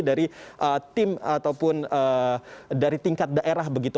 bahwa ini dikembalikan lagi dari tim ataupun dari tingkat daerah begitu